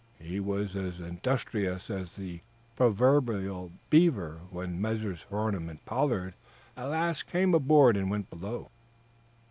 He was as industrious as the proverbial beaver when Messrs. Farnum and Pollard at last came aboard and went below.